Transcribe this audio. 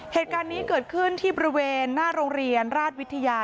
เหตุการณ์นี้เกิดขึ้นที่บริเวณหน้าโรงเรียนราชวิทยา